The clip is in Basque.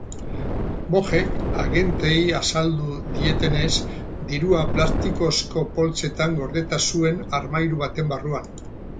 Mojek agenteei azaldu dietenez, dirua plastikozko poltsetan gordeta zuten armairu baten barruan.